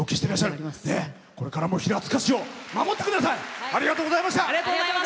これからも平塚市を守ってください！